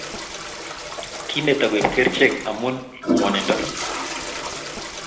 Kimeto koip kerchek amu ngwanindo